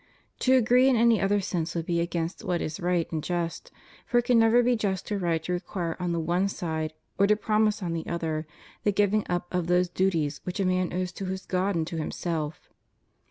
To agree in any other sense would be against what is right and just; for it can never be just or right to require on the one side, or to promise on the other, the giving up of those duties which a man owes to his God and to himself.